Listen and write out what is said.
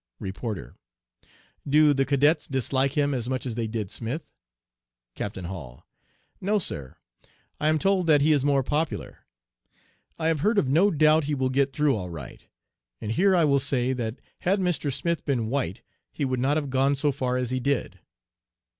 "REPORTER 'Do the cadets dislike him as much as they did Smith?' "CAPTAIN HALL 'No, Sir, I am told that he is more popular. I have heard of no doubt he will get through all right. And here I will say, that had Mr. Smith been white he would not have gone so far as he did.'